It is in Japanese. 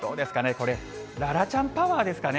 これ、楽々ちゃんパワーですかね。